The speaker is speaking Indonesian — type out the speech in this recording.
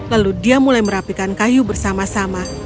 lalu dia mulai merapikan kayu bersama sama